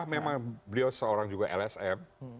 memang beliau seorang juga lsm